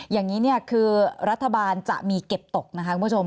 อย่างนี้คือรัฐบาลจะมีเก็บตกนะคะคุณผู้ชม